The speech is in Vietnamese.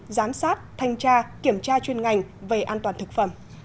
giám sát thanh tra kiểm tra chuyên ngành về an toàn thực phẩm